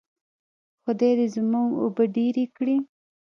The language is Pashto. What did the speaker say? خدای دې زموږ اوبه ډیرې کړي.